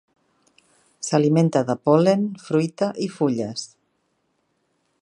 S'alimenta de pol·len, fruita i fulles.